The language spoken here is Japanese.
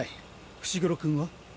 伏黒君は？